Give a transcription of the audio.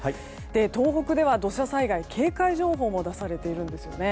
東北では土砂災害警戒情報も出されているんですよね。